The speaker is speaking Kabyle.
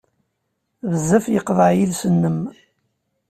Bezzaf yeqḍeɛ yiles-im.